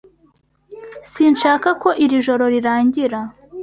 Sinshaka ko iri joro rirangira.